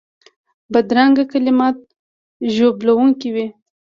بدرنګه کلمات ژوبلونکي وي